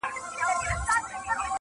و عسکرو تې ول ځئ زموږ له کوره,